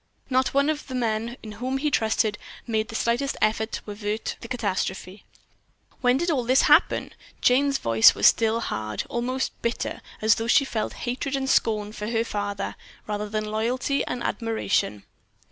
Not a one of the men in whom he trusted made the slightest effort to help avert the catastrophe." "When did this all happen?" Jane's voice was still hard, almost bitter, as though she felt hatred and scorn for her father, rather than loyalty and admiration.